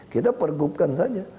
kita pergubkan saja